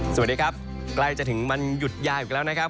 สวัสดีครับใกล้จะถึงวันหยุดยาวอีกแล้วนะครับ